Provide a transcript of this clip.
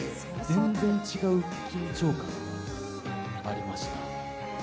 全然違う緊張感がありました。